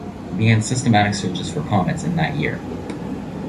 He began systematic searches for comets in that year.